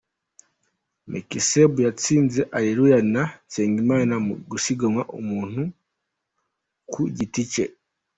Mekseb yatsinze Areruya na Nsengimana mu gusiganwa umuntu ku giti cye.